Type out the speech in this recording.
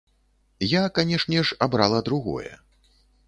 Я, канешне ж, абрала другое.